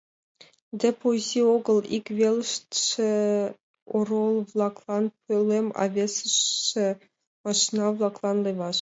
Депо изи огыл: ик велыште орол-влаклан пӧлем, а весыште — машина-влаклан леваш.